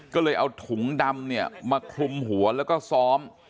ก็เลยเอาถุงดำเนี่ยมาคลุมหัวแล้วก็ซ้อม